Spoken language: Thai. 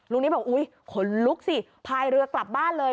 นิดบอกอุ๊ยขนลุกสิพายเรือกลับบ้านเลย